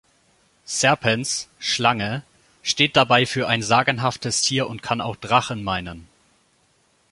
Serpens, "Schlange", steht dabei für ein sagenhaftes Tier und kann auch Drachen meinen.